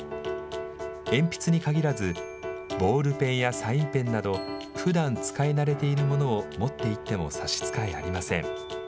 鉛筆に限らず、ボールペンやサインペンなど、ふだん使い慣れているものを持っていっても差し支えありません。